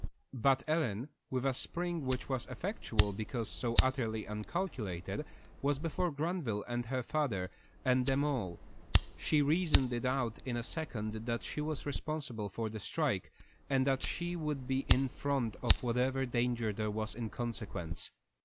But Ellen, with a spring which was effectual because so utterly uncalculated, was before Granville and her father, and them all. She reasoned it out in a second that she was responsible for the strike, and that she would be in the front of whatever danger there was in consequence.